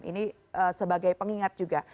ini sebagai pengingat juga